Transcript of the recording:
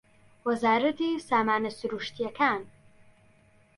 وەزارەتی سامانە سروشتییەکان